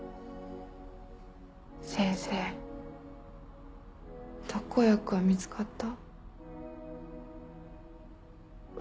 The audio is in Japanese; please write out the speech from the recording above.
先生特効薬は見つかった？